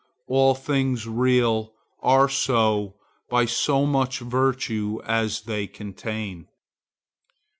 All things real are so by so much virtue as they contain.